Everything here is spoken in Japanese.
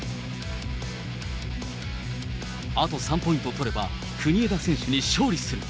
あと３ポイント取れば国枝選手に勝利する。